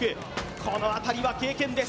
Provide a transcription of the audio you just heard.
この辺りは経験です。